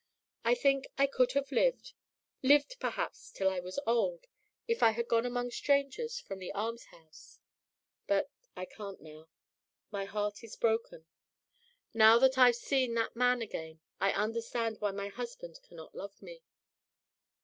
I think I could have lived lived, perhaps, till I was old, if I had gone among strangers from the almshouse, but I can't now. My heart is broken. Now that I've seen that man again I understand why my husband cannot love me.